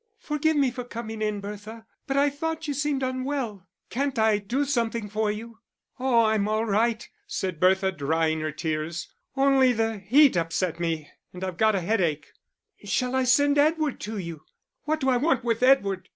"Forgive me for coming in, Bertha. But I thought you seemed unwell. Can't I do something for you?" "Oh, I'm all right," said Bertha, drying her tears, "Only the heat upset me and I've got a headache." "Shall I send Edward to you?" "What do I want with Edward?"